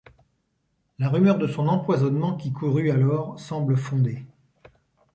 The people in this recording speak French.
La rumeur de son empoisonnement qui courut alors semble fondée.